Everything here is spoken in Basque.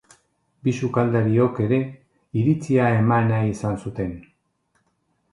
Bi sukaldariok ere iritzia eman nahi izan zuten.